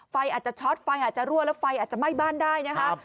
ไฟอาจจะช็อตไฟอาจจะรั่วแล้วไฟอาจจะไหม้บ้านได้นะคะ